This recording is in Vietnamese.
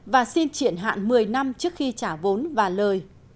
và xin chuyển hạn một mươi năm trước khi trả vốn và lời